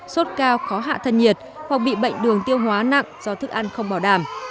sốt cao khó hạ thân nhiệt hoặc bị bệnh đường tiêu hóa nặng do thức ăn không bảo đảm